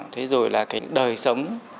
thế rồi là cái đời sống